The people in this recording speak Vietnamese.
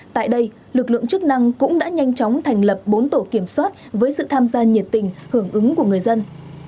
tại đây lực lượng chức năng cũng đã nhanh chóng thành lập bốn tổ kiểm soát với sự tham gia nhiệt tình hưởng ứng của người dân